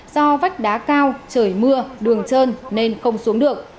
do vách đá cao trời mưa đường trơn nên không xuống được